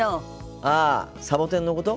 ああサボテンのこと？